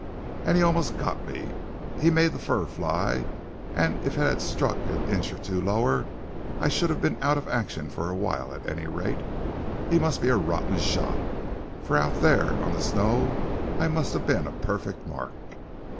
"And he almost got me. He made the fur fly, and if it had struck an inch or two lower down I should have been out of action for a while at any rate. He must be a rotten shot, for out there on the snow I must have been a perfect mark!"